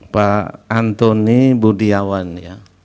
pak antoni budiawan ya